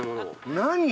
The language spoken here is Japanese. ◆何！？